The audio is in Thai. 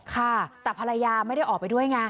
ค่ะแต่ภรรยาไม่ได้ออกไปด้วยไง